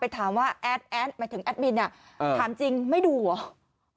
ถามว่าแอดแอดหมายถึงแอดมินถามจริงไม่ดูเหรอ